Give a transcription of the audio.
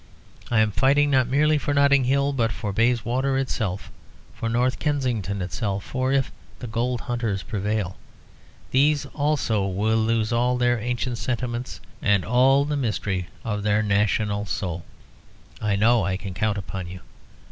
I am fighting not merely for Notting Hill, but for Bayswater itself; for North Kensington itself. For if the gold hunters prevail, these also will lose all their ancient sentiments and all the mystery of their national soul. I know I can count upon you."